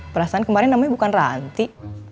perasaan kemarin namanya bukan ranti